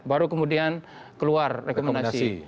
baru kemudian keluar rekomendasi